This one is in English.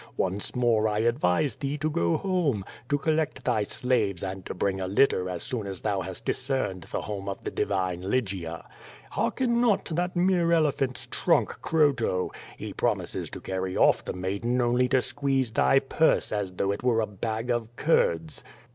Once more I advise thee to go home, to collect thy slaves and to bring a litter as soon as thou hast discerned the home of the divine Lygia. Hearken not to that mere elephant's trunk, Croto. lie promises to carry olT the maiden only to squeeze tliy purse as though it were a bag of curds."